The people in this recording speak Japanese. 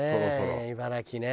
茨城ね。